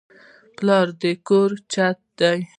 پلار د کور چت دی